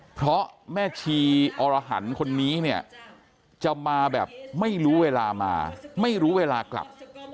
เพราะแม่ชีอรหันต์คนนี้เนี่ยจะมาแบบไม่รู้เวลามาไม่รู้เวลากลับ